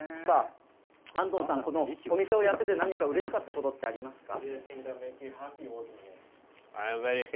アントンさん、このお店をやってて、何かうれしかったことってありますか？